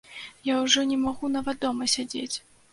Я ўжо не магу нават дома сядзець.